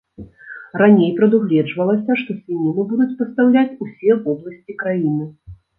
Раней прадугледжвалася, што свініну будуць пастаўляць усе вобласці краіны.